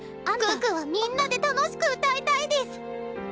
可可はみんなで楽しく歌いたいデス！